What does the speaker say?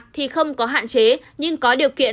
thì không có hạn chế nhưng có điều kiện